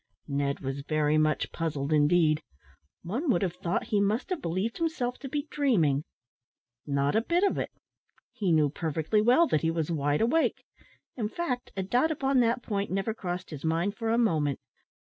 Ned was very much puzzled indeed. One would have thought he must have believed himself to be dreaming. Not a bit of it. He knew perfectly well that he was wide awake. In fact, a doubt upon that point never crossed his mind for a moment.